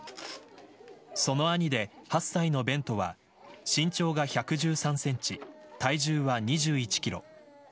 その兄で８歳のベントは身長が１１３センチ体重は２１キロ。